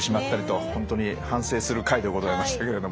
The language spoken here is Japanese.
本当に反省する回でございましたけれども。